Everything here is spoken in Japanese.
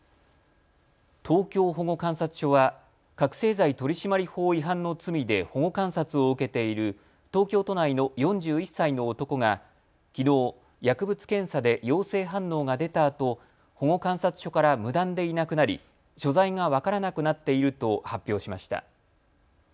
東京保護観察所は覚醒剤取締法違反の罪で保護観察を受けている東京都内の４１歳の男がきのう、薬物検査で陽性反応が出たあと保護観察所から無断でいなくなり所在が分からなくなっていると発表しました。